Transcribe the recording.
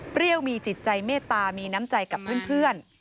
มีจิตใจเมตตามีน้ำใจกับเพื่อน